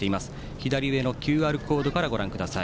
左上のＱＲコードからご覧ください。